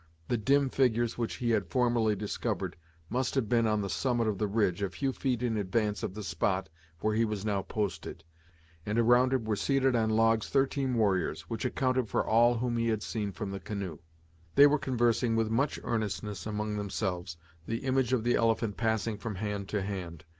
The dim figures which he had formerly discovered must have been on the summit of the ridge, a few feet in advance of the spot where he was now posted. The fire was still blazing brightly, and around it were seated on logs thirteen warriors, which accounted for all whom he had seen from the canoe. They were conversing, with much earnestness among themselves, the image of the elephant passing from hand to hand.